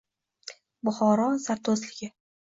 Buxoro zardo‘zligi